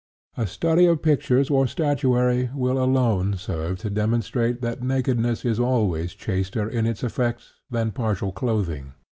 A study of pictures or statuary will alone serve to demonstrate that nakedness is always chaster in its effects than partial clothing.